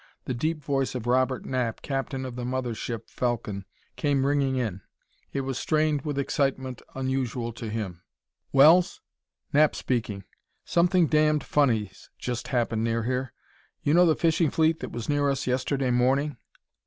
The deep voice of Robert Knapp, captain of the mother ship Falcon, came ringing in. It was strained with an excitement unusual to him. "Wells? Knapp speaking. Something damned funny's just happened near here. You know the fishing fleet that was near us yesterday morning?"